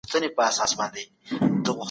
له نورو ټولنو مثبت شيان زده کړئ.